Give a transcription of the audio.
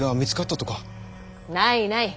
ないない。